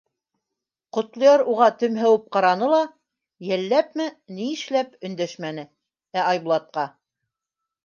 Ҡотлояр уға төмһәүеп ҡараны ла йәлләпме, ни эшләп, өндәшмәне, ә Айбулатҡа: